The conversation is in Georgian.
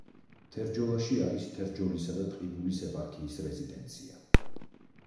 თერჯოლაში არის თერჯოლისა და ტყიბულის ეპარქიის რეზიდენცია.